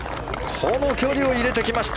この距離を入れてきました！